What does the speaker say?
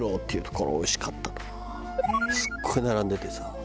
すっごい並んでてさ。